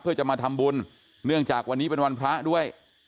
เพื่อจะมาทำบุญเนื่องจากวันนี้เป็นวันพระด้วย